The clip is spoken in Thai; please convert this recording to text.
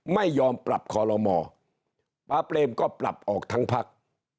ไม่ยอมปรับขอลมพระเปรมก็ปรับออกทั้งภักดิ์